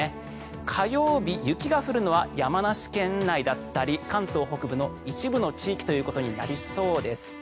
火曜日、雪が降るのは山梨県内だったり関東北部の一部の地域ということになりそうです。